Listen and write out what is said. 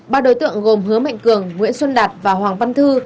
ba đối tượng gồm hứa mạnh cường nguyễn xuân đạt và hoàng văn thư